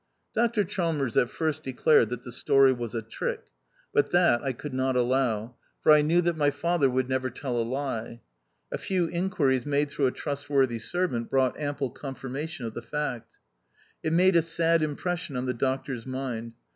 Dr Chalmers at first declared that the story was a trick, but that I could not allow, for I knew that my father would never tell a lie. A few inquiries made through a trustworthy servant brought ample confirmation of the fact. It made a sad impression on the Doctor's mind.